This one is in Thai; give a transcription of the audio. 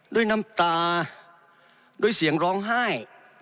ด้วยน้ำตาด้วยเสียงร้องไห้